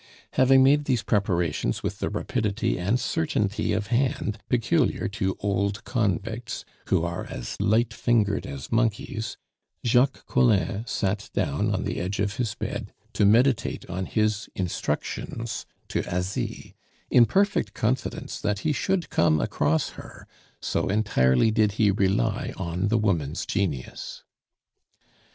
Having made these preparations with the rapidity and certainty of hand peculiar to old convicts, who are as light fingered as monkeys, Jacques Collin sat down on the edge of his bed to meditate on his instructions to Asie, in perfect confidence that he should come across her, so entirely did he rely on the woman's genius.